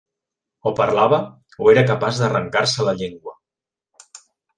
O parlava o era capaç d'arrancar-se la llengua.